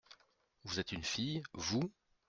Vous êtes une fille, vous ?